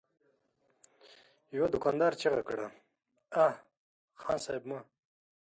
يوه دوکاندار چيغه کړه: اه! خان صيب! مه!